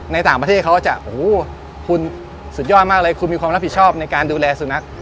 ในต่างประเทศเขาก็จะโอ้โหคุณสุดยอดมากเลยคุณมีความรับผิดชอบในการดูแลสุนัข